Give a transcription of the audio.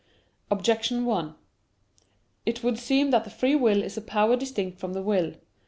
Objection 1: It would seem that free will is a power distinct from the will.